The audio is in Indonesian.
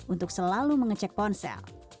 untuk selalu mengecek ponsel